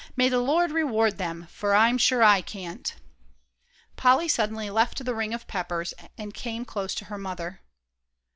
"May the Lord reward them, for I'm sure I can't." Polly suddenly left the ring of Peppers, and came close to her mother.